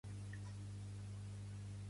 Quan valen els vestits de la monarquia?